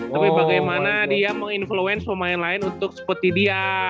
tapi bagaimana dia meng influence pemain lain untuk seperti dia